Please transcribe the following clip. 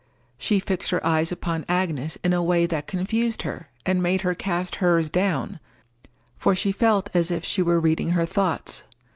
She fixed her eyes upon Agnes in a way that confused her, and made her cast hers down, for she felt as if she were reading her thoughts.